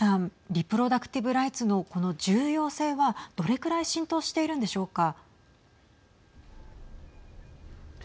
リプロダクティブ・ライツのこの重要性はどれくらい浸透しているんでしょうか。